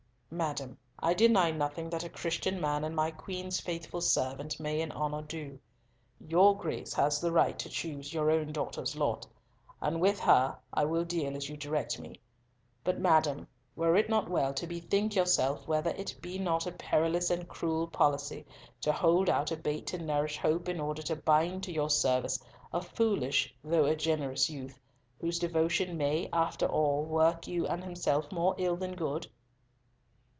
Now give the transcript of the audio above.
"Madam, I deny nothing that a Christian man and my Queen's faithful servant may in honour do. Your Grace has the right to choose your own daughter's lot, and with her I will deal as you direct me. But, madam, were it not well to bethink yourself whether it be not a perilous and a cruel policy to hold out a bait to nourish hope in order to bind to your service a foolish though a generous youth, whose devotion may, after all, work you and himself more ill than good?"